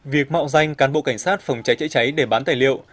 việc mạo danh cán bộ cảnh sát phòng cháy chữa cháy để bán tài liệu